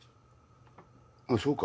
あっそうか